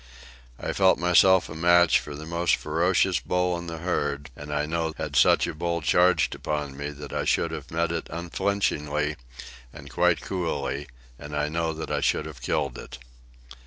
I felt myself a match for the most ferocious bull in the herd, and I know, had such a bull charged upon me, that I should have met it unflinchingly and quite coolly, and I know that I should have killed it.